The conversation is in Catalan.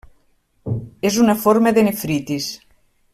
És una forma de nefritis.